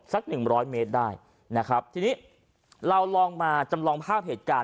สักหนึ่งร้อยเมตรได้นะครับทีนี้เราลองมาจำลองภาพเหตุการณ์